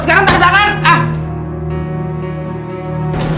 sekarang tanda tangan ah